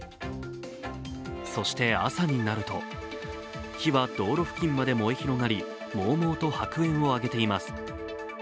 そして朝になると、火は道路付近まで燃え広がり、もうもうと白煙を上げています。